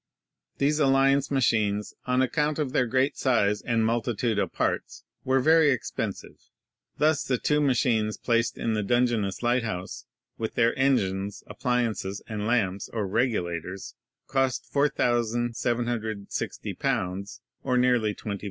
These Alliance machines, on account of their great size and multitude of parts, were very expensive. Thus the two machines placed in the Dungeness light house, with their engines, appliances, and lamps or "regu lators," cost £4,760, or nearly $24,000.